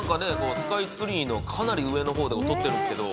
スカイツリーのかなり上のほうで撮ってるんですけど。